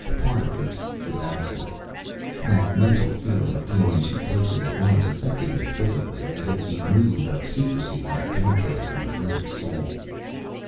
Part of me was absent. That mental feeling of being in two places at once affected me physically as if the mood of secrecy had penetrated my very soul.